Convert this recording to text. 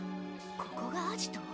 ここがアジト？